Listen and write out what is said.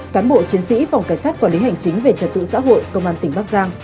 cán bộ chiến sĩ phòng cảnh sát quản lý hành chính về trật tự xã hội công an tỉnh bắc giang